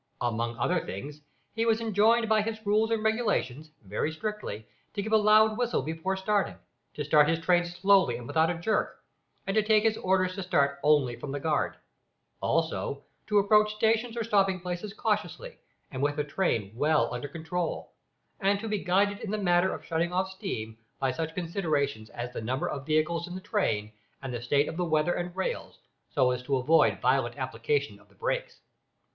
Among other things, he was enjoined by his "rules and regulations," very strictly, to give a loud whistle before starting, to start his train slowly and without a jerk, and to take his orders to start only from the guard; also, to approach stations or stopping places cautiously, and with the train well under control, and to be guided in the matter of shutting off steam, by such considerations as the number of vehicles in the train, and the state of the weather and rails, so as to avoid violent application of the brakes.